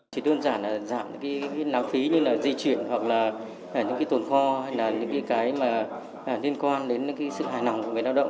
chỉ đơn giản là giảm những cái láo phí như là di chuyển hoặc là những cái tổn kho hay là những cái mà liên quan đến sự hài lòng của người lao động